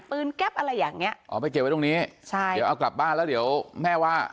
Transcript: แก๊ปอะไรอย่างเงี้อ๋อไปเก็บไว้ตรงนี้ใช่เดี๋ยวเอากลับบ้านแล้วเดี๋ยวแม่ว่า